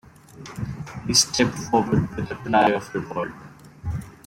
He stepped forward with a cry of revolt.